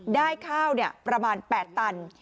ได้ข้าวประมาณ๘ตัน